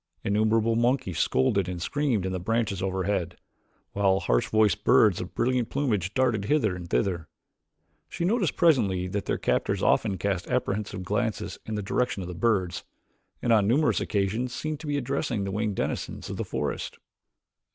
Innumerable monkeys scolded and screamed in the branches overhead, while harsh voiced birds of brilliant plumage darted hither and thither. She noticed presently that their captors often cast apprehensive glances in the direction of the birds and on numerous occasions seemed to be addressing the winged denizens of the forest.